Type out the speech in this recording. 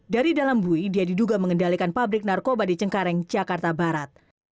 dari dalam bui dia diduga mengendalikan pabrik narkoba di cengkareng jakarta barat